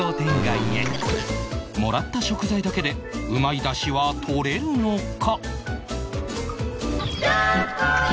もらった食材だけでうまい出汁は取れるのか？